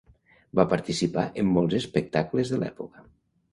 Va participar en molts espectacles de l'època.